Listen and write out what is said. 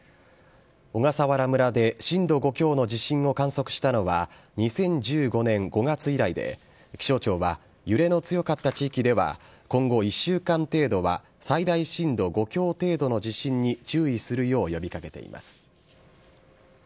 小笠原村で震度５強の地震を観測したのは、２０１５年５月以来で、気象庁は、揺れの強かった地域では、今後１週間程度は最大震度５強程度の地震に注意するよう呼びかけています。